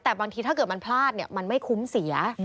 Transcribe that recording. แต่บางทีถ้าเกิดมันพลาดมันไม่คุ้มเสีย